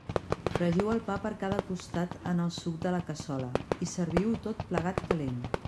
Fregiu el pa per cada costat en el suc de la cassola i serviu-ho tot plegat calent.